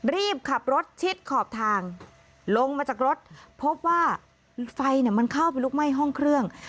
รีบขับรถชิดขอบทางลงมาจากรถพบว่าไฟมันเข้าไปลุกไหม้ห้องเครื่อง